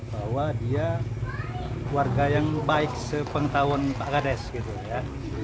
bahwa dia warga yang baik sepengetahuan pak kades gitu ya